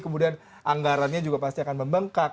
kemudian anggarannya juga pasti akan membengkak